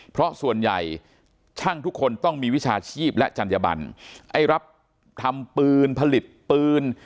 เพราะส่วนใหญ่ช่างทุกคนต้องมีวิชาชีพและจัญญบันไอ้รับทำปืนผลิตปืน